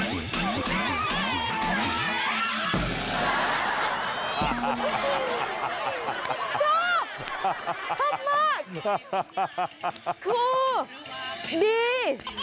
คือดี